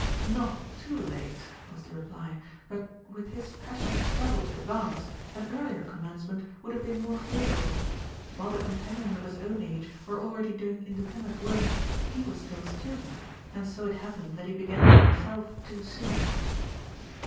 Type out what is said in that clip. "Not too late," was the reply, "but with his passionate struggle to advance, an earlier commencement would have been more favourable. While the companions of his own age were already doing independent work, he was still a student, and so it happened that he began for himself too soon."